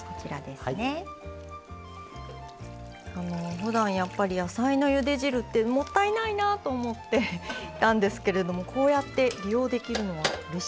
ふだんやっぱり野菜のゆで汁ってもったいないなと思っていたんですけれどもこうやって利用できるのはうれしいですね。